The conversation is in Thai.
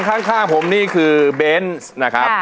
ข้างผมนี่คือเบนส์นะครับ